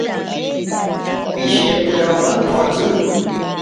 Pishetero pankotsi.